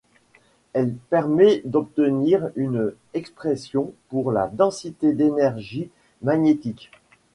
Elle permet d'obtenir une expression pour la densité d'énergie magnétique.